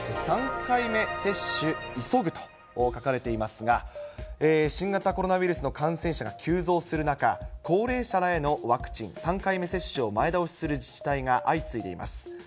３回目接種、急ぐと書かれていますが、新型コロナウイルスの感染者が急増する中、高齢者へのワクチン３回目接種を前倒しする自治体が相次いでいます。